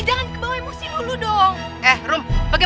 pake teriak teriak lagi